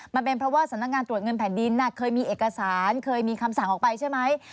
มันเป็นเพราะว่าสำนักงานตรวจเงินแผ่นดินเคยมีเอกสารเคยมีคำสั่งออกไปใช่ไหม